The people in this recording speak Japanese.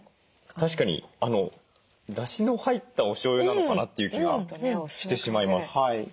確かにだしの入ったおしょうゆなのかなという気がしてしまいます。